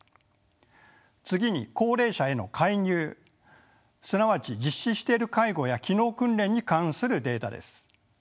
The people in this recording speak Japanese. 次に高齢者への介入すなわち実施している介護や機能訓練に関するデータです。